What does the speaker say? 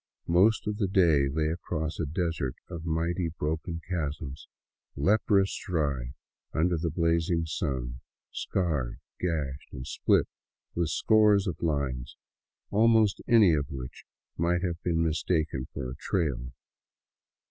Most of the day lay across a desert of mighty broken chasms, leprous dry un der the blazing sun, scarred, gashed, and split with scores of lines, almost any of which might have been mistaken for the trail.